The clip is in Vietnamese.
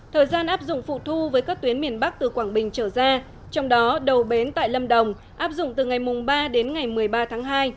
thời gian áp dụng phụ thu với các tuyến miền bắc từ quảng bình trở ra trong đó đầu bến tại lâm đồng áp dụng từ ngày ba đến ngày một mươi ba tháng hai